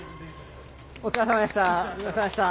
お疲れさまでした。